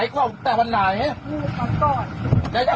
นี่คือคำตอบนี้แหละ